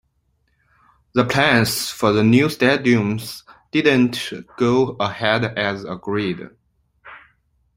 The plans for the new stadium did not go ahead as agreed.